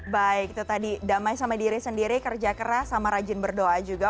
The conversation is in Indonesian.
baik itu tadi damai sama diri sendiri kerja keras sama rajin berdoa juga